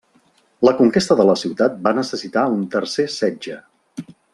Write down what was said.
La conquesta de la ciutat va necessitar un tercer setge.